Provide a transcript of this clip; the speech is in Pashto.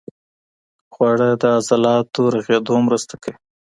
خواړه د عضلاتو رغېدو مرسته کوي.